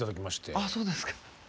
ああそうですか。